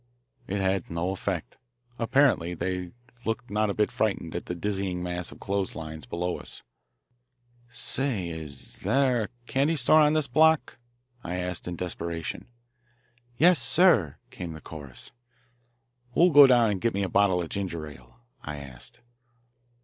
It had no effect. Apparently they looked not a bit frightened at the dizzy mass of clothes lines below us. "Say, is there a candy store on this block?" I asked in desperation. "Yes, sir," came the chorus. "Who'll go down and get me a bottle of ginger ale?" I asked.